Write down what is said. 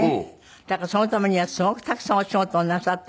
だからそのためにはすごくたくさんお仕事をなさった。